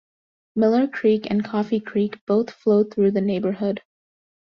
Miller Creek and Coffee Creek both flow through the neighborhood.